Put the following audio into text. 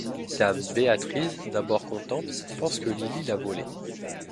Dame Beatrice, d'abord contente, pense que Lily l'a volé.